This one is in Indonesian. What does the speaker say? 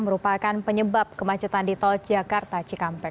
merupakan penyebab kemacetan di tol jakarta cikampek